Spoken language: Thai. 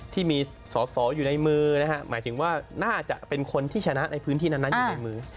ที่มีสอสออยู่ในมือนะฮะหมายถึงว่าน่าจะเป็นคนที่ชนะในพื้นที่นั้นอยู่ในมือ